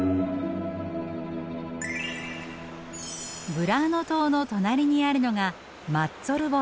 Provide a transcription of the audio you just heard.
ブラーノ島の隣にあるのがマッツォルボ島。